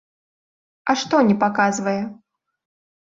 А што не паказвае?